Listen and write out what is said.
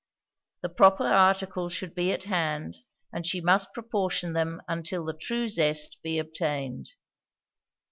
The proper articles should be at hand, and she must proportion them until the true zest be obtained.